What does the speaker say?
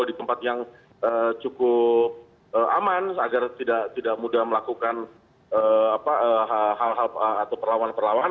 di tempat yang cukup aman agar tidak mudah melakukan hal hal atau perlawanan perlawanan